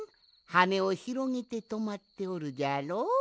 はねをひろげてとまっておるじゃろう。